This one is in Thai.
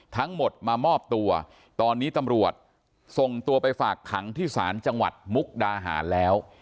ทั้งหมดมามอบตัวตอนนี้ตำรวจส่งตัวไปฝากขังที่ศาลจังหวัดมุกดาหารแล้ว